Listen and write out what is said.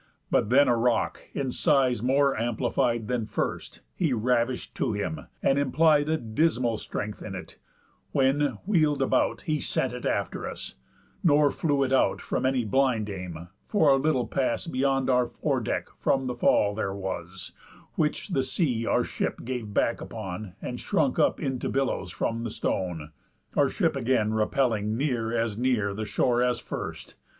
But then a rock, in size more amplified Than first, he ravish'd to him, and implied A dismal strength in it, when, wheel'd about, He sent it after us; nor flew it out From any blind aim, for a little pass Beyond our fore deck from the fall there was, With which the sea our ship gave back upon, And shrunk up into billows from the stone, Our ship again repelling near as near The shore as first.